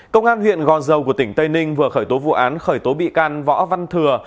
công an huyện gò dầu của tỉnh tây ninh vừa khởi tố vụ án khởi tố bị can võ văn thừa